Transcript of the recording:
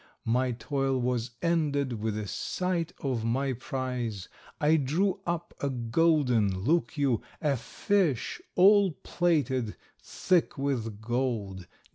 My toil was ended with the sight of my prize; I drew up a golden, look you, a fish all plated thick with gold.